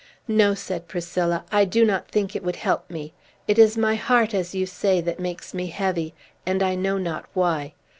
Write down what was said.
"No," said Priscilla, "I do not think it would help me. It is my heart, as you say, that makes me heavy; and I know not why.